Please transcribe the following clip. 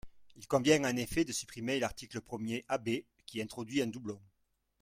Il convient en effet de supprimer l’article premier AB, qui introduit un doublon.